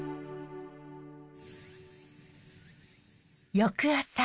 翌朝。